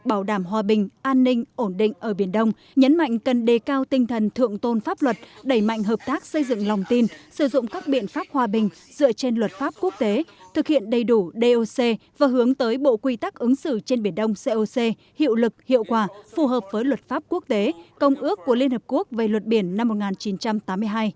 bảo đảm hòa bình an ninh ổn định ở biển đông nhấn mạnh cần đề cao tinh thần thượng tôn pháp luật đẩy mạnh hợp tác xây dựng lòng tin sử dụng các biện pháp hòa bình dựa trên luật pháp quốc tế thực hiện đầy đủ doc và hướng tới bộ quy tắc ứng xử trên biển đông coc hiệu lực hiệu quả phù hợp với luật pháp quốc tế công ước của liên hợp quốc về luật biển năm một nghìn chín trăm tám mươi hai